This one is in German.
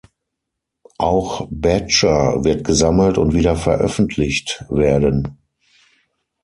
Auch "Badger" wird gesammelt und wieder veröffentlicht werden.